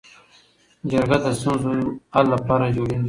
جرګه د ستونزو حل لپاره جوړیږي